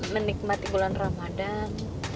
menikmati bulan ramadhan